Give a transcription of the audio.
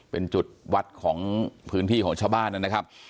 เป็นจุดวัดของพื้นที่ของชาวบ้านนะครับ